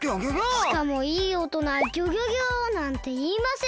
しかもいいおとなは「ギョギョギョ！」なんていいません。